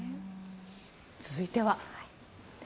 続いては。